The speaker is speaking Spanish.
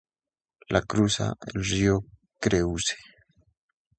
La cruza el río Creuse.